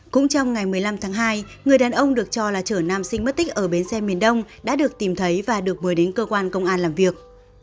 cũng trong ngày một mươi năm tháng hai người đàn ông được cho là chở nam sinh mất tích ở bến xe miền đông đã được tìm thấy và được mời đến cơ quan công an làm việc